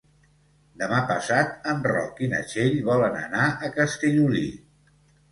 Demà passat en Roc i na Txell volen anar a Castellolí.